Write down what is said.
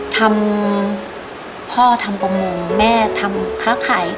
ทำพ่อทำประมงแม่ทำค้าขาย